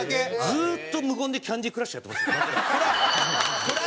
ずっと無言で『キャンディークラッシュ』やってますよ楽屋で。